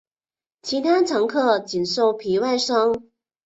其他乘客仅受皮外伤。